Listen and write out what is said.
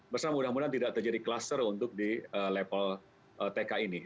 bersama mudah mudahan tidak terjadi klaster untuk di level tk ini